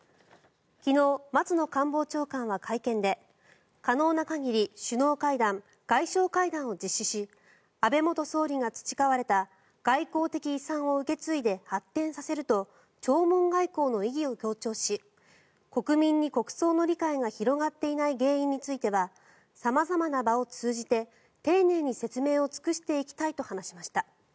昨日、松野官房長官は会見で可能な限り首脳会談、外相会談を実施し安倍元総理が培われた外交的遺産を受け継いで発展させると弔問外交の意義を強調し国民に国葬の理解が広がっていない原因については様々な場を通じて丁寧に説明を尽くしていきたいと話しました。